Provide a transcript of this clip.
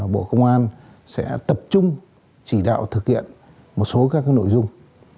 bộ công an sẽ tập trung chỉ đạo thực hiện một số các nội dung